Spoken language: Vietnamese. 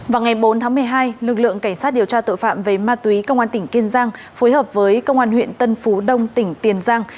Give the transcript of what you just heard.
vào ngày bốn tháng một mươi hai lực lượng cảnh sát điều tra tội phạm về ma túy công an tỉnh kiên giang phối hợp với công an huyện tân phú đông tỉnh tiền giang